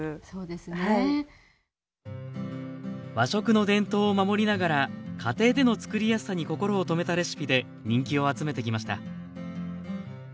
和食の伝統を守りながら家庭での作りやすさに心を留めたレシピで人気を集めてきました。